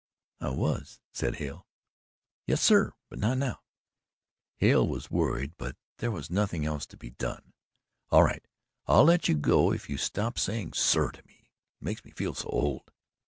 "I was," said Hale. "Yes, sir, but not now." Hale was worried, but there was nothing else to be done. "All right. I'll let you go if you stop saying 'sir' to me. It makes me feel so old."